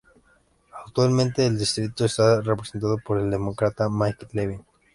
Actualmente el distrito está representado por el Demócrata Mike Levin.